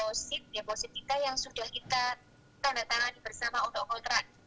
positif deposit kita yang sudah kita tanda tangani bersama untuk kontrak